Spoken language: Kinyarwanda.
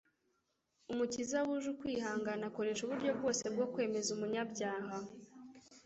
Umukiza wuje ukwihangana, akoresha uburyo bwose bwo kwemeza umunyabyaha